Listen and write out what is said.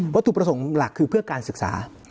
ถูกประสงค์หลักคือเพื่อการศึกษา